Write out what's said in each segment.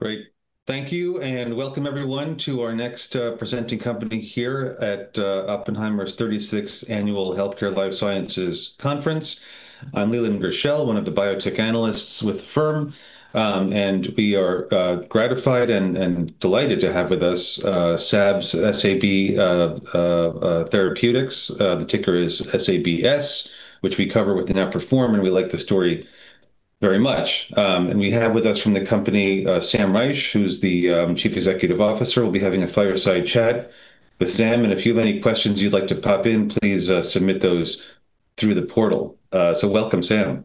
Great. Thank you, and welcome everyone to our next presenting company here at Oppenheimer's 36th Annual Healthcare Life Sciences Conference. I'm Leland Gershell, one of the Biotech Analysts with the firm. We are gratified and delighted to have with us SAB Biotherapeutics. The ticker is SABS, which we cover within our perform, and we like the story very much. We have with us from the company, Sam Reich, who's the Chief Executive Officer. We'll be having a fireside chat with Sam, and if you have any questions you'd like to pop in, please submit those through the portal. Welcome, Sam.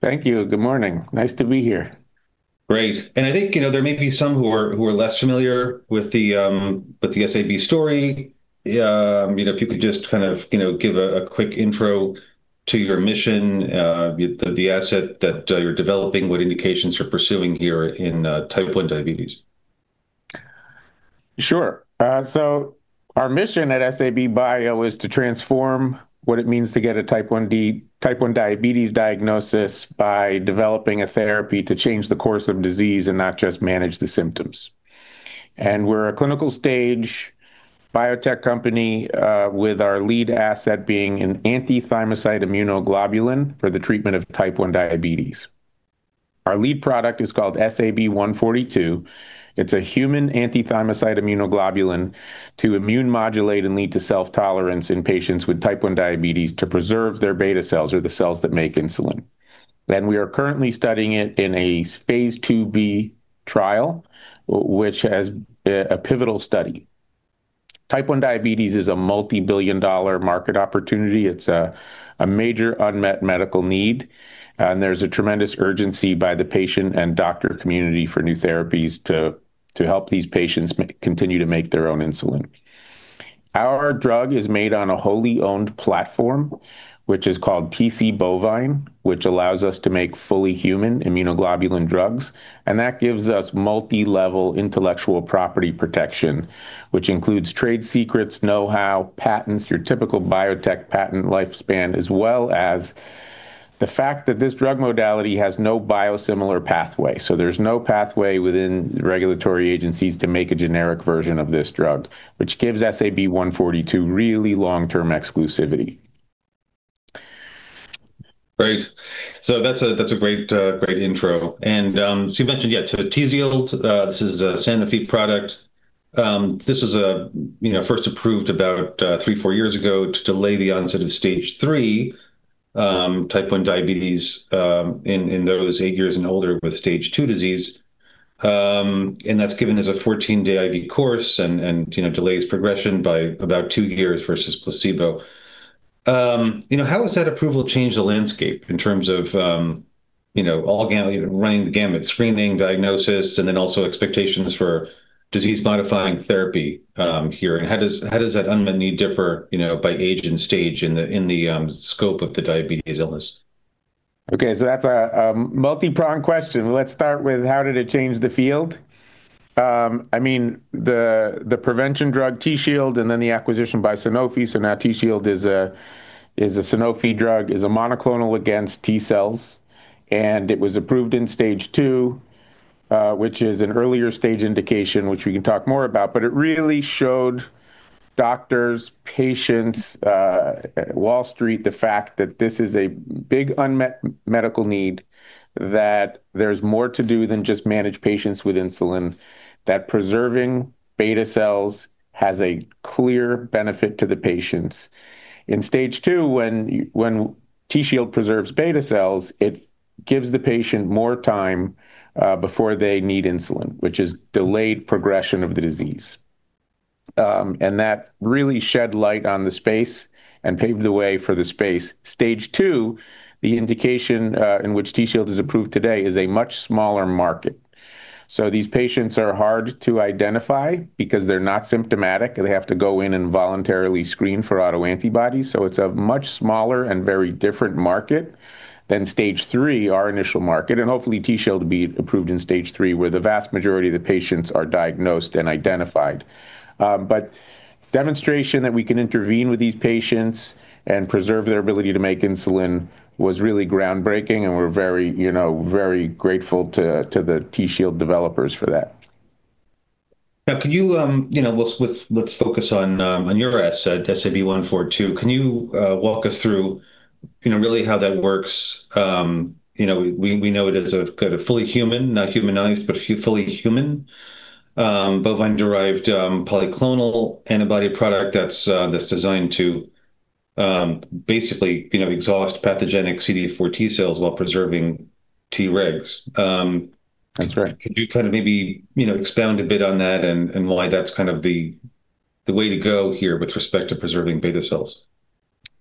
Thank you. Good morning. Nice to be here. Great. I think, you know, there may be some who are less familiar with the SAB story. You know, if you could just kind of, you know, give a quick intro to your mission, the asset that you're developing, what indications you're pursuing here in type 1 diabetes. Our mission at SAB BIO is to transform what it means to get a type 1 diabetes diagnosis by developing a therapy to change the course of disease and not just manage the symptoms. We're a clinical stage biotech company with our lead asset being an anti-thymocyte globulin for the treatment of type 1 diabetes. Our lead product is called SAB-142. It's a human anti-thymocyte globulin to immune modulate and lead to self-tolerance in patients with type 1 diabetes to preserve their beta cells or the cells that make insulin. We are currently studying it in a Phase IIb trial, which has a pivotal study. Type 1 diabetes is a multi-billion dollar market opportunity. It's a major unmet medical need, and there's a tremendous urgency by the patient and doctor community for new therapies to help these patients continue to make their own insulin. Our drug is made on a wholly owned platform, which is called Tc Bovine, which allows us to make fully human immunoglobulin drugs, and that gives us multi-level intellectual property protection, which includes trade secrets, know-how, patents, your typical biotech patent lifespan, as well as the fact that this drug modality has no biosimilar pathway. There's no pathway within regulatory agencies to make a generic version of this drug, which gives SAB-142 really long-term exclusivity. Great. That's a great intro. You mentioned, yeah, so Tzield, this is a Sanofi product. This was, you know, first approved about three, four years ago to delay the onset of Stage 3, type 1 diabetes, in those eight years and older with Stage 2 disease. That's given as a 14 day IV course and, you know, delays progression by about two years versus placebo. You know, how has that approval changed the landscape in terms of, you know, all running the gamut, screening, diagnosis, and then also expectations for disease-modifying therapy here? How does that unmet need differ, you know, by age and stage in the scope of the diabetes illness? Okay, that's a multi-pronged question. Let's start with how did it change the field? I mean, the prevention drug Tzield, and then the acquisition by Sanofi. Now Tzield is a Sanofi drug, is a monoclonal against T cells, and it was approved in Stage 2, which is an earlier stage indication, which we can talk more about. It really showed doctors, patients, Wall Street, the fact that this is a big unmet medical need, that there's more to do than just manage patients with insulin. That preserving beta cells has a clear benefit to the patients. In Stage 2, when Tzield preserves beta cells, it gives the patient more time before they need insulin, which is delayed progression of the disease. That really shed light on the space and paved the way for the space. Stage 2, the indication, in which Tzield is approved today, is a much smaller market. These patients are hard to identify because they're not symptomatic, and they have to go in and voluntarily screen for autoantibodies. It's a much smaller and very different market than Stage 3, our initial market, and hopefully, Tzield will be approved in Stage 3, where the vast majority of the patients are diagnosed and identified. Demonstration that we can intervene with these patients and preserve their ability to make insulin was really groundbreaking, and we're very, you know, very grateful to the Tzield developers for that. Now, could you know, let's focus on your asset, SAB-142. Can you walk us through, you know, really how that works? You know, we know it as a kind of fully human, not humanized, but fully human, bovine-derived, polyclonal antibody product that's designed to basically, you know, exhaust pathogenic CD4 T cells while preserving Tregs. That's right. Could you kind of maybe, you know, expound a bit on that and why that's kind of the way to go here with respect to preserving beta cells?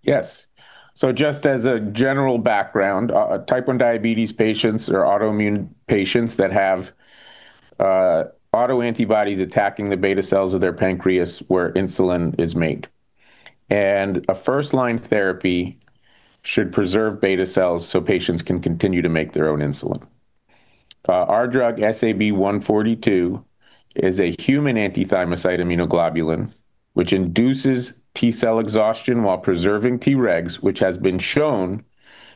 Yes. Just as a general background, type 1 diabetes patients or autoimmune patients that have autoantibodies attacking the beta cells of their pancreas where insulin is made. A first-line therapy should preserve beta cells so patients can continue to make their own insulin. Our drug, SAB-142, is a human anti-thymocyte globulin which induces T-cell exhaustion while preserving Tregs, which has been shown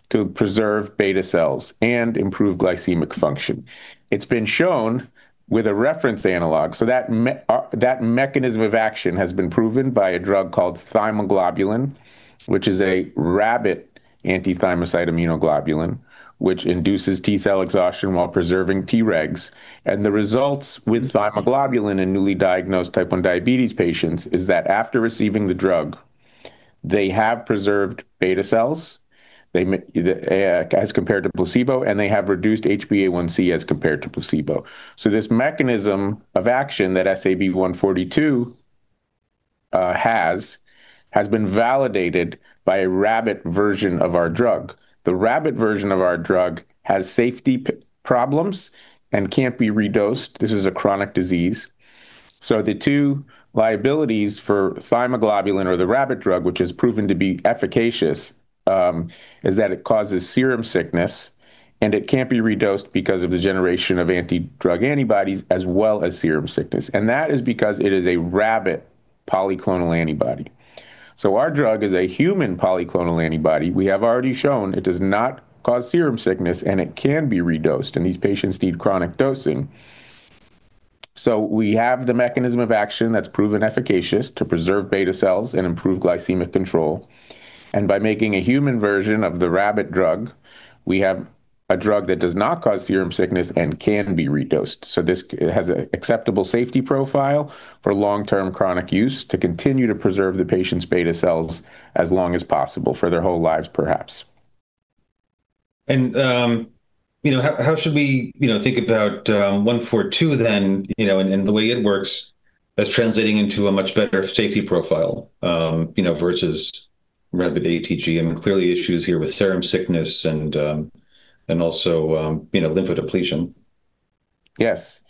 to preserve beta cells and improve glycemic function. It's been shown with a reference analog, that mechanism of action has been proven by a drug called Thymoglobulin, which is a rabbit anti-thymocyte globulin, which induces T-cell exhaustion while preserving Tregs. The results with Thymoglobulin in newly diagnosed type 1 diabetes patients is that after receiving the drug, they have preserved beta cells, as compared to placebo, and they have reduced HbA1c as compared to placebo. This mechanism of action, that SAB-142 has been validated by a rabbit version of our drug. The rabbit version of our drug has safety problems and can't be redosed. This is a chronic disease. The two liabilities for Thymoglobulin or the rabbit drug, which is proven to be efficacious, is that it causes serum sickness, and it can't be redosed because of the generation of anti-drug antibodies, as well as serum sickness. That is because it is a rabbit polyclonal antibody. Our drug is a human polyclonal antibody. We have already shown it does not cause serum sickness, and it can be redosed, and these patients need chronic dosing. We have the mechanism of action that's proven efficacious to preserve beta cells and improve glycemic control, and by making a human version of the rabbit drug, we have a drug that does not cause serum sickness and can be redosed. This has a acceptable safety profile for long-term chronic use to continue to preserve the patient's beta cells as long as possible, for their whole lives, perhaps. You know, how should we, you know, think about 142 then, you know, and the way it works as translating into a much better safety profile, you know, versus rabbit ATG? I mean, clearly issues here with serum sickness and also, you know, lymphodepletion. Yes.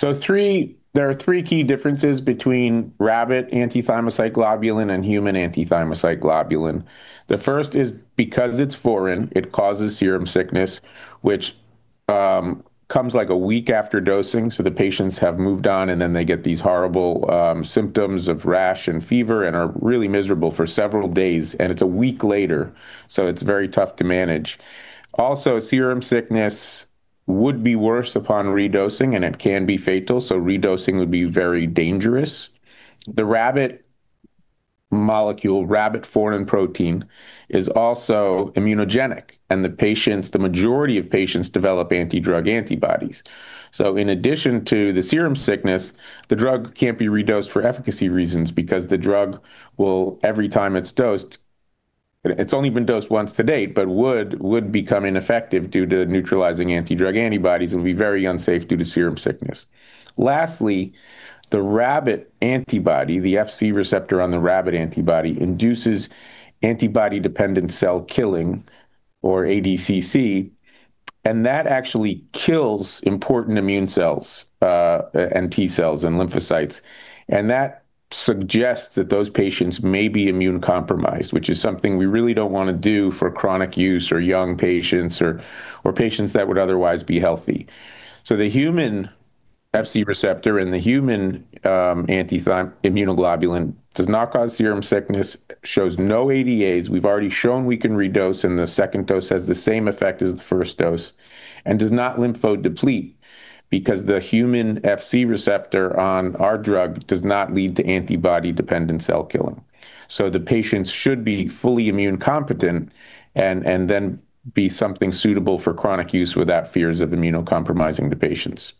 There are 3 key differences between rabbit anti-thymocyte globulin and human anti-thymocyte globulin. The first is, because it's foreign, it causes serum sickness, which, comes, like, one week after dosing. The patients have moved on, and then they get these horrible, symptoms of rash and fever and are really miserable for several days, and it's one week later, so it's very tough to manage. Also, serum sickness would be worse upon redosing, and it can be fatal, so redosing would be very dangerous. The rabbit molecule, rabbit foreign protein, is also immunogenic, and the patients, the majority of patients, develop anti-drug antibodies. In addition to the serum sickness, the drug can't be redosed for efficacy reasons, because the drug will, every time it's dosed. It's only been dosed once to date but would become ineffective due to neutralizing anti-drug antibodies and would be very unsafe due to serum sickness. Lastly, the rabbit antibody, the Fc receptor on the rabbit antibody, induces antibody-dependent cell killing, or ADCC, and that actually kills important immune cells, and T cells and lymphocytes. That suggests that those patients may be immune-compromised, which is something we really don't wanna do for chronic use or young patients or patients that would otherwise be healthy. The human Fc receptor and the human anti-thymocyte globulin does not cause serum sickness, shows no ADAs. We've already shown we can redose, and the second dose has the same effect as the first dose and does not lymphodeplete because the human Fc receptor on our drug does not lead to antibody-dependent cell killing. The patients should be fully immune competent and then be something suitable for chronic use without fears of immunocompromising the patients.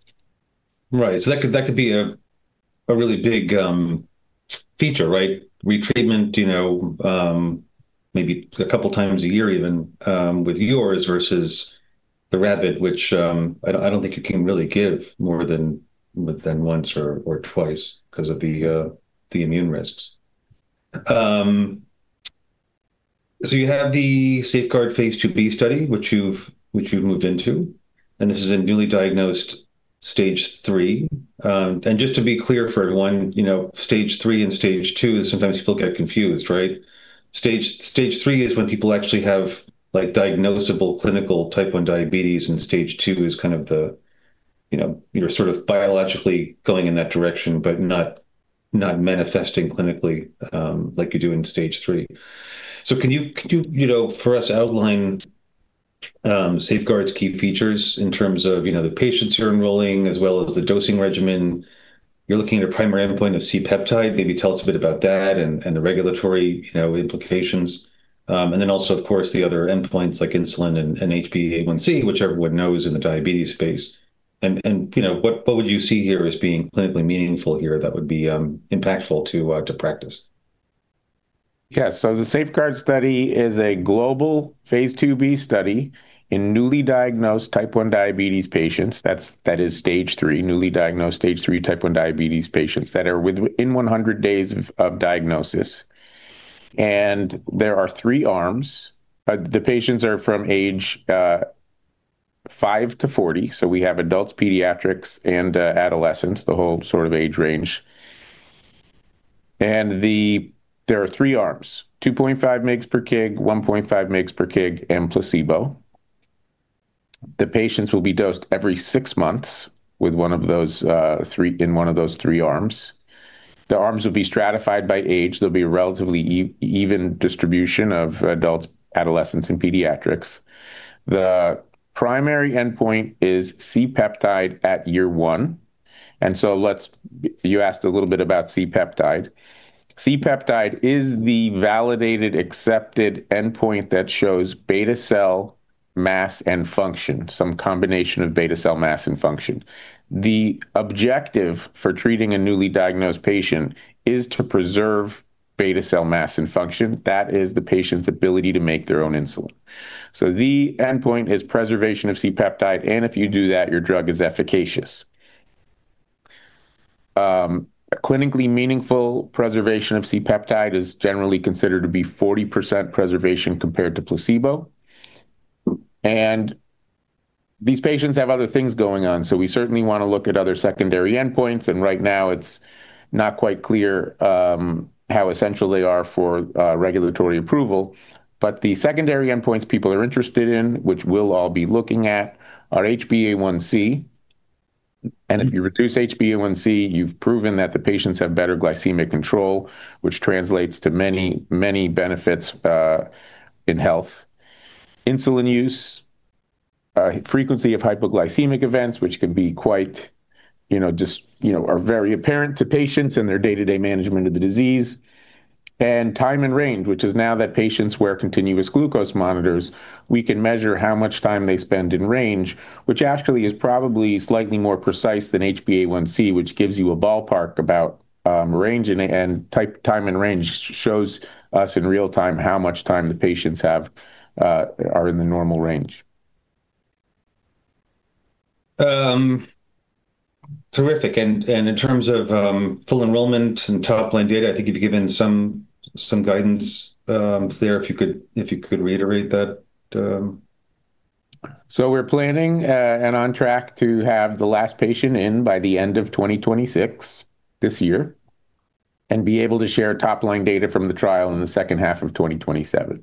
Right. That could be a really big feature, right? Retreatment, you know, maybe a couple times a year even with yours versus the rabbit, which I don't think you can really give more than once or twice 'cause of the immune risks. You have the SAFEGUARD Phase 2b study, which you've moved into, and this is in newly diagnosed Stage 3. Just to be clear for everyone, you know, Stage 3 and Stage 2, sometimes people get confused, right? Stage 3 is when people actually have, like, diagnosable clinical type 1 diabetes, and Stage 2 is kind of the, you know, you're sort of biologically going in that direction but not manifesting clinically, like you do in Stage 3. Can you know, for us, outline, SAFEGUARD's key features in terms of, you know, the patients you're enrolling, as well as the dosing regimen? You're looking at a primary endpoint of C-peptide. Maybe tell us a bit about that and the regulatory, you know, implications. Also, of course, the other endpoints like insulin and HbA1c, which everyone knows in the diabetes space. You know, what would you see here as being clinically meaningful here that would be impactful to practice? The SAFEGUARD study is a global Phase IIb study in newly diagnosed type 1 diabetes patients. That is Stage 3, newly diagnosed Stage 3, type 1 diabetes patients that are within 100 days of diagnosis. There are three arms. The patients are from age five to 40, so we have adults, pediatrics, and adolescents, the whole sort of age range. There are three arms: 2.5 mg per kg, 1.5 mg per kg, and placebo. The patients will be dosed every six months with one of those three arms. The arms will be stratified by age. There will be a relatively even distribution of adults, adolescents, and pediatrics. The primary endpoint is C-peptide at year one. You asked a little bit about C-peptide. C-peptide is the validated, accepted endpoint that shows beta cell mass and function, some combination of beta cell mass and function. The objective for treating a newly diagnosed patient is to preserve beta cell mass and function. That is the patient's ability to make their own insulin. The endpoint is preservation of C-peptide, and if you do that, your drug is efficacious. A clinically meaningful preservation of C-peptide is generally considered to be 40% preservation compared to placebo. These patients have other things going on, so we certainly want to look at other secondary endpoints, and right now it's not quite clear how essential they are for regulatory approval. The secondary endpoints people are interested in, which we'll all be looking at, are HbA1c. If you reduce HbA1c, you've proven that the patients have better glycemic control, which translates to many, many benefits in health. Insulin use, frequency of hypoglycemic events, which can be quite, you know, just are very apparent to patients in their day-to-day management of the disease, and Time in Range, which is now that patients wear continuous glucose monitors, we can measure how much time they spend in range, which actually is probably slightly more precise than HbA1c, which gives you a ballpark about range and Time in Range, shows us in real time how much time the patients have, are in the normal range. Terrific. In terms of full enrollment and top-line data, I think you've given some guidance there, if you could reiterate that? We're planning, and on track to have the last patient in by the end of 2026, this year, and be able to share top-line data from the trial in the second half of 2027.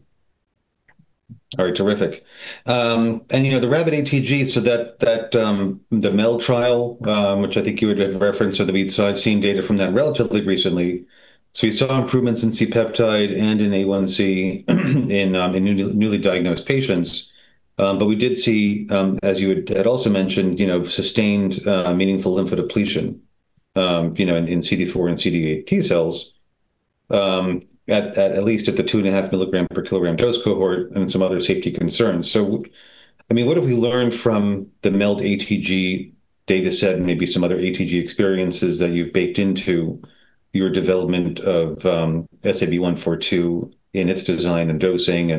All right, terrific. You know, the rabbit ATG, so that, the MELD trial, which I think you would have referenced or so I've seen data from that relatively recently. You saw improvements in C-peptide and in A1c in newly diagnosed patients. We did see, as you had also mentioned, you know, sustained, meaningful lymphodepletion, you know, in CD4 and CD8 T cells, at least at the 2.5 mg per kg dose cohort and some other safety concerns. I mean, what have we learned from the MELD ATG dataset and maybe some other ATG experiences that you've baked into your development of, SAB-142 in its design and dosing?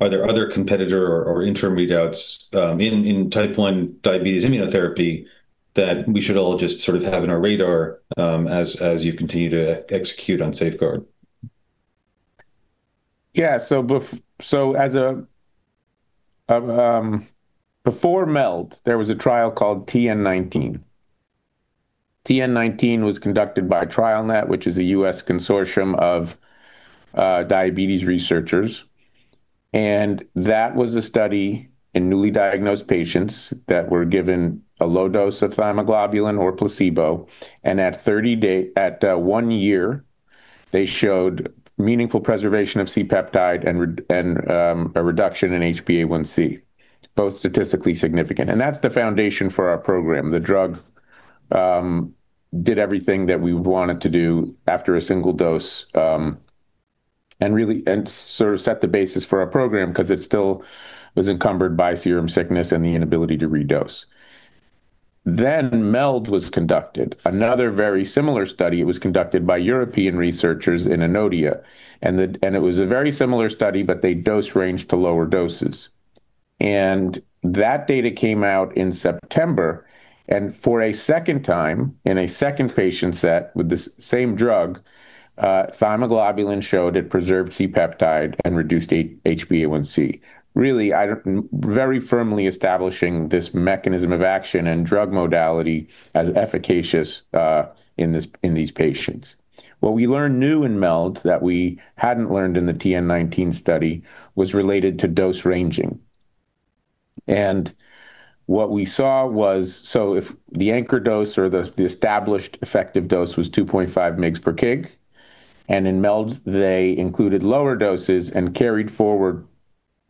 Are there other competitor or interim readouts, in type 1 diabetes immunotherapy that we should all just sort of have in our radar, as you continue to execute on SAFEGUARD? Yeah. As a, before MELD, there was a trial called TN19. TN19 was conducted by TrialNet, which is a U.S. consortium of diabetes researchers, and that was a study in newly diagnosed patients that were given a low dose of Thymoglobulin or placebo, and at one year, they showed meaningful preservation of C-peptide and a reduction in HbA1c, both statistically significant. That's the foundation for our program. The drug did everything that we want it to do after a single dose, and really and sort of set the basis for our program because it still was encumbered by serum sickness and the inability to redose. MELD was conducted. Another very similar study, it was conducted by European researchers in INNODIA, and it was a very similar study, but they dose ranged to lower doses. That data came out in September, and for a second time, in a second patient set with the same drug, Thymoglobulin showed it preserved C-peptide and reduced HbA1c. Really, very firmly establishing this mechanism of action and drug modality as efficacious in this, in these patients. What we learned new in MELD that we hadn't learned in the TN19 study was related to dose ranging. What we saw was. If the anchor dose or the established effective dose was 2.5 mg/kg, and in MELD, they included lower doses and carried forward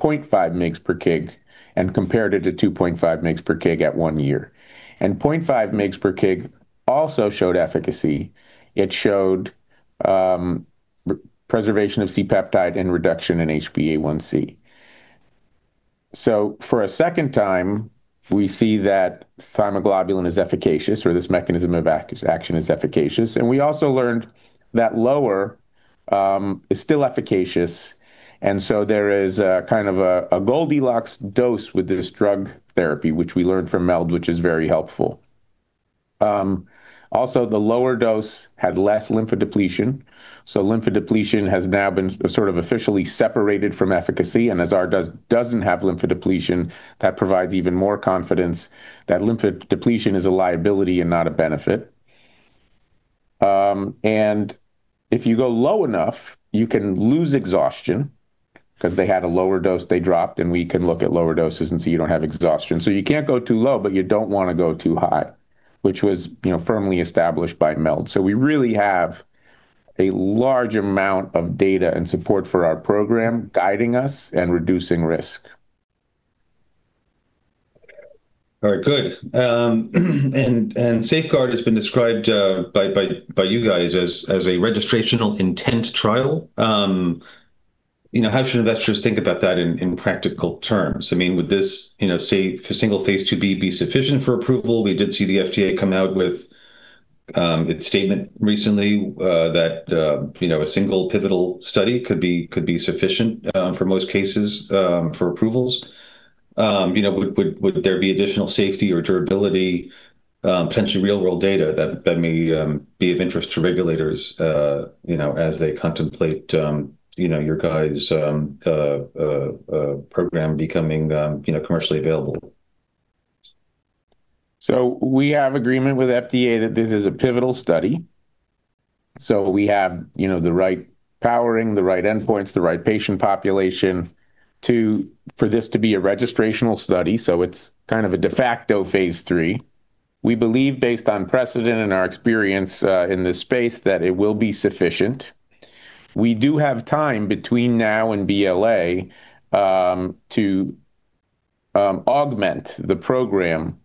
0.5 mg/kg and compared it to 2.5 mg/kg at one year. 0.5 mg/kg also showed efficacy. It showed preservation of C-peptide and reduction in HbA1c. For a second time, we see that Thymoglobulin is efficacious, or this mechanism of action is efficacious, and we also learned that lower is still efficacious, and so there is a kind of a Goldilocks dose with this drug therapy, which we learned from MELD, which is very helpful. Also, the lower dose had less lymphodepletion, so lymphodepletion has now been sort of officially separated from efficacy, and as our doesn't have lymphodepletion, that provides even more confidence that lymphodepletion is a liability and not a benefit. If you go low enough, you can lose exhaustion, 'cause they had a lower dose they dropped, and we can look at lower doses and see you don't have exhaustion. You can't go too low, but you don't want to go too high, which was, you know, firmly established by MELD. We really have a large amount of data and support for our program guiding us and reducing risk. All right, good. SAFEGUARD has been described by you guys as a registrational intent trial. You know, how should investors think about that in practical terms? I mean, would this, you know, say, for single phase IIb be sufficient for approval? We did see the FDA come out with its statement recently that, you know, a single pivotal study could be sufficient for most cases for approvals. You know, would there be additional safety or durability, potentially real-world data that may be of interest to regulators, you know, as they contemplate, you know, your guys' program becoming, commercially available? We have agreement with FDA that this is a pivotal study. We have, you know, the right powering, the right endpoints, the right patient population for this to be a registrational study, so it's kind of a de facto phase III. We believe, based on precedent and our experience, in this space, that it will be sufficient. We do have time between now and BLA, to augment the program,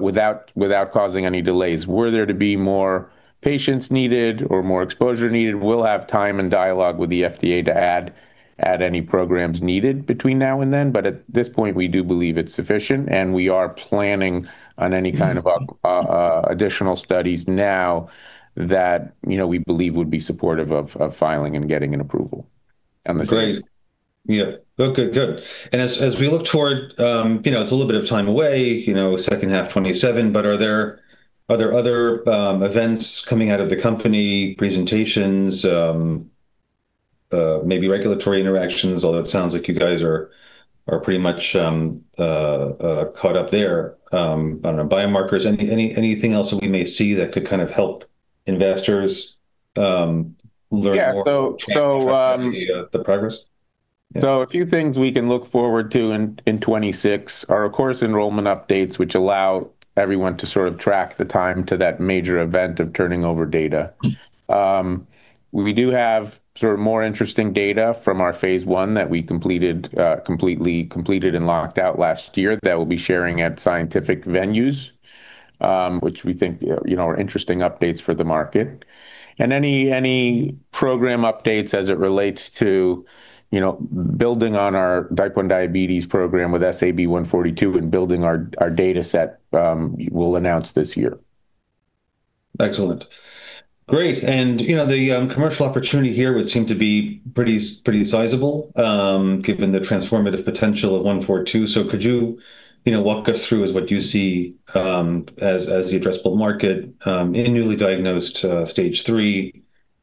without causing any delays. Were there to be more patients needed or more exposure needed, we'll have time and dialogue with the FDA to add any programs needed between now and then. At this point, we do believe it's sufficient, and we are planning on any kind of additional studies now that, you know, we believe would be supportive of filing and getting an approval on the same. Great. Yeah. Okay, good. As we look toward, you know, it's a little bit of time away, you know, second half 2027, are there other events coming out of the company, presentations, maybe regulatory interactions? Although it sounds like you guys are pretty much caught up there. I don't know, biomarkers. Anything else that we may see that could kind of help investors learn more, Yeah. About the progress? A few things we can look forward to in 2026 are, of course, enrollment updates, which allow everyone to sort of track the time to that major event of turning over data. We do have sort of more interesting data from our phase I that we completed and locked out last year, that we'll be sharing at scientific venues, which we think, you know, are interesting updates for the market. Any program updates as it relates to, you know, building on our type 1 diabetes program with SAB-142 and building our data set, we'll announce this year. Excellent. Great. You know, the commercial opportunity here would seem to be pretty sizable, given the transformative potential of 142. Could you know, walk us through as what you see, as the addressable market, in newly diagnosed, Stage 3,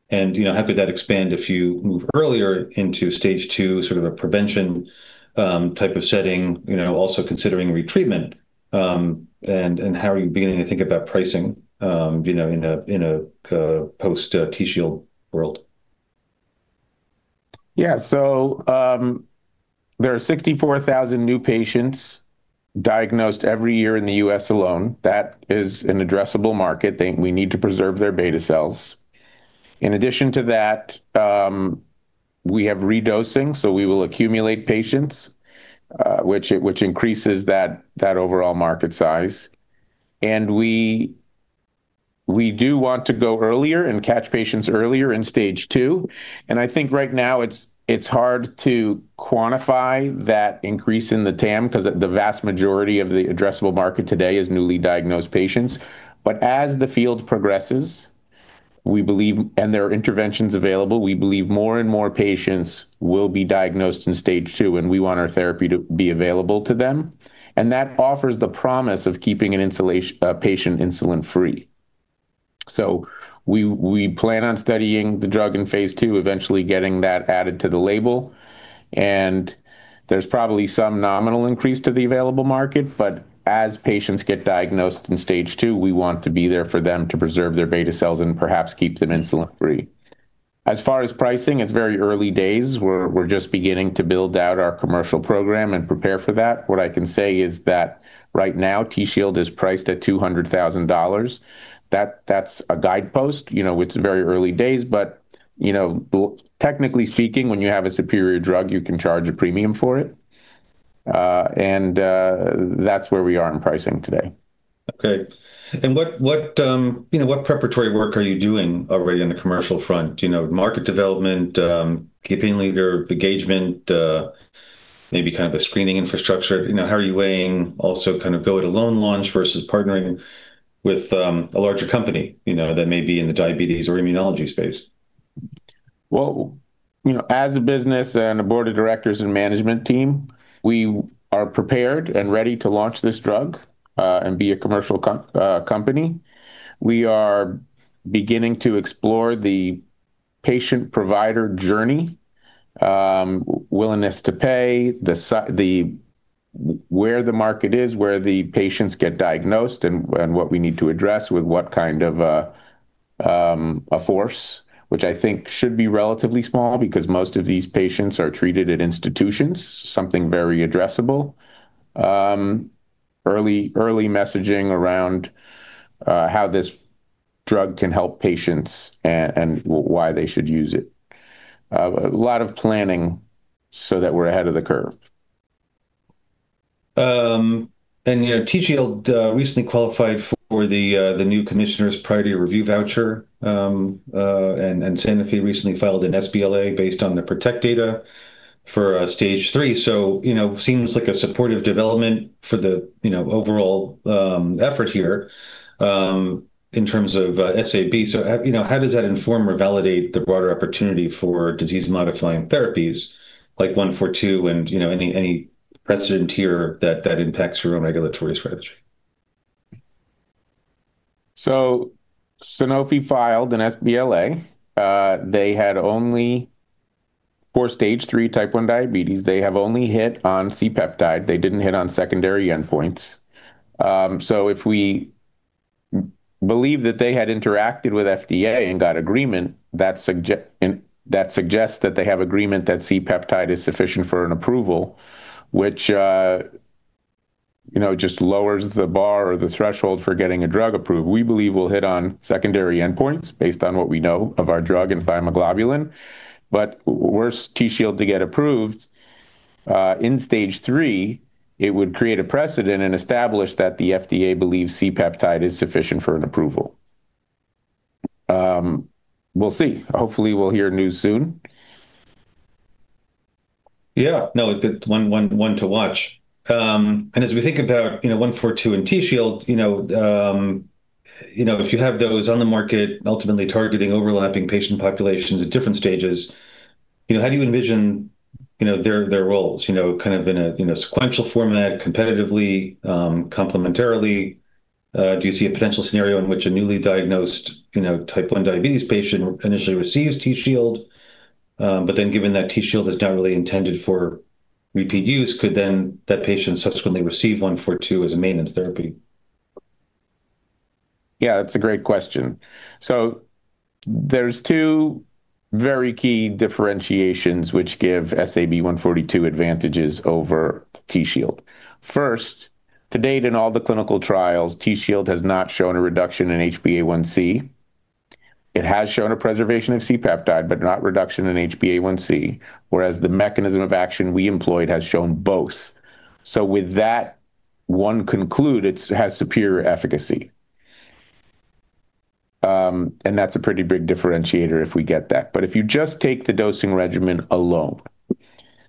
and, you know, how could that expand if you move earlier into Stage 2, sort of a prevention, type of setting, you know, also considering retreatment? How are you beginning to think about pricing, you know, in a post, Tzield world? Yeah. There are 64,000 new patients diagnosed every year in the U.S. alone. That is an addressable market. We need to preserve their beta cells. In addition to that, we have redosing, so we will accumulate patients, which increases that overall market size. We do want to go earlier and catch patients earlier in Stage 2, and I think right now it's hard to quantify that increase in the TAM, 'cause the vast majority of the addressable market today is newly diagnosed patients. As the field progresses, we believe there are interventions available, we believe more and more patients will be diagnosed in Stage 2, and we want our therapy to be available to them, and that offers the promise of keeping a patient insulin-free. We plan on studying the drug in Phase II, eventually getting that added to the label, and there's probably some nominal increase to the available market. As patients get diagnosed in Stage 2, we want to be there for them to preserve their beta cells and perhaps keep them insulin-free. As far as pricing, it's very early days. We're just beginning to build out our commercial program and prepare for that. What I can say is that right now, Tzield is priced at $200,000. That's a guidepost. You know, it's very early days, but, you know, technically speaking, when you have a superior drug, you can charge a premium for it, and that's where we are in pricing today. Okay. What, what, you know, what preparatory work are you doing already on the commercial front? You know, market development, key opinion leader engagement, maybe kind of a screening infrastructure. You know, how are you weighing also kind of go-it-alone launch versus partnering with, a larger company, you know, that may be in the diabetes or immunology space? Well, you know, as a business and a board of directors and management team, we are prepared and ready to launch this drug and be a commercial company. We are beginning to explore the patient-provider journey, willingness to pay, where the market is, where the patients get diagnosed, and what we need to address with what kind of a force, which I think should be relatively small because most of these patients are treated at institutions, something very addressable. Early, early messaging around how this drug can help patients and why they should use it. A lot of planning so that we're ahead of the curve. You know, Tzield recently qualified for the new commissioner's priority review voucher. Sanofi recently filed an SBLA based on the PROTECT data for Stage 3. You know, seems like a supportive development for the, you know, overall effort here in terms of SAB. How, you know, how does that inform or validate the broader opportunity for disease-modifying therapies like SAB-142, and, you know, any precedent here that impacts your own regulatory strategy? Sanofi filed an SBLA. For Stage 3 type 1 diabetes, they have only hit on C-peptide. They didn't hit on secondary endpoints. If we believe that they had interacted with FDA and got agreement, that suggests that they have agreement that C-peptide is sufficient for an approval, which, you know, just lowers the bar or the threshold for getting a drug approved. We believe we'll hit on secondary endpoints based on what we know of our drug and Thymoglobulin. Worse, Tzield to get approved in Stage 3, it would create a precedent and establish that the FDA believes C-peptide is sufficient for an approval. We'll see. Hopefully, we'll hear news soon. Yeah. No, good one to watch. As we think about, you know, SAB-142 and Tzield, you know, you know, if you have those on the market ultimately targeting overlapping patient populations at different stages, you know, how do you envision, you know, their roles, you know, kind of in a, in a sequential format, competitively, complementarily? Do you see a potential scenario in which a newly diagnosed, you know, type 1 diabetes patient initially receives Tzield, given that Tzield is not really intended for repeat use, could then that patient subsequently receive SAB-142 as a maintenance therapy? That's a great question. There's two very key differentiations which give SAB-142 advantages over Tzield. First, to date, in all the clinical trials, Tzield has not shown a reduction in HbA1c. It has shown a preservation of C-peptide, but not reduction in HbA1c, whereas the mechanism of action we employed has shown both. With that, one conclude it has superior efficacy. That's a pretty big differentiator if we get that. If you just take the dosing regimen alone,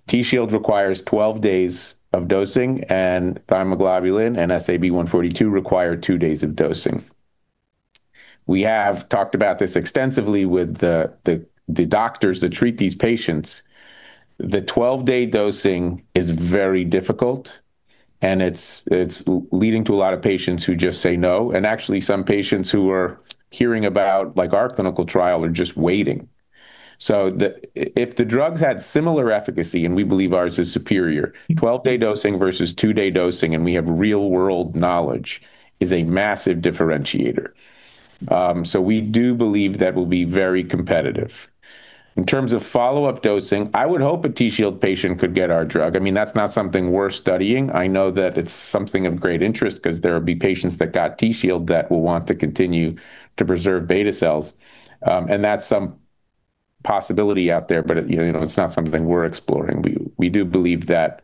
Tzield requires 12 days of dosing, and Thymoglobulin and SAB-142 require two days of dosing. We have talked about this extensively with the doctors that treat these patients. The 12 day dosing is very difficult, and it's leading to a lot of patients who just say no, and actually, some patients who are hearing about, like, our clinical trial are just waiting. If the drugs had similar efficacy, and we believe ours is superior, 12-day dosing versus two-day dosing, and we have real-world knowledge, is a massive differentiator. We do believe that will be very competitive. In terms of follow-up dosing, I would hope a Tzield patient could get our drug. I mean, that's not something we're studying. I know that it's something of great interest 'cause there would be patients that got Tzield that will want to continue to preserve beta cells. That's some possibility out there, but, you know, it's not something we're exploring. We do believe that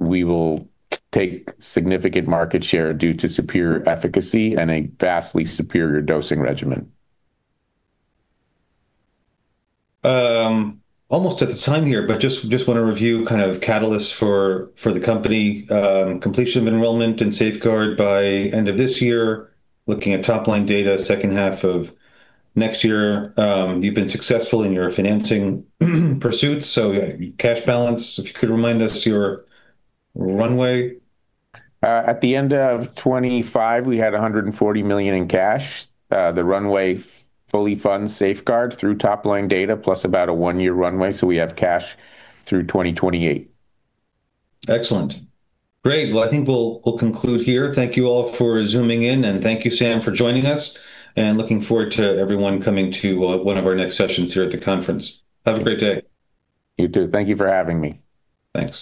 we will take significant market share due to superior efficacy and a vastly superior dosing regimen. Almost at the time here, but just want to review kind of catalysts for the company. Completion of enrollment and SAFEGUARD by end of this year, looking at top-line data, second half of next year. You've been successful in your financing pursuits. Cash balance, if you could remind us your runway? At the end of 25, we had $140 million in cash. The runway fully funds SAFEGUARD through top-line data, plus about a one year runway, so we have cash through 2028. Excellent. Great! Well, I think we'll conclude here. Thank you all for Zooming in. Thank you, Sam, for joining us. Looking forward to everyone coming to one of our next sessions here at the conference. Have a great day. You too. Thank you for having me. Thanks.